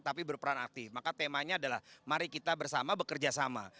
tapi berperan aktif maka temanya adalah mari kita bersama bekerja sama